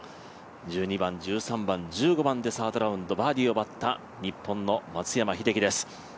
１２番、１３番、１５番、サードラウンドでバーディーを奪った日本の松山英樹です。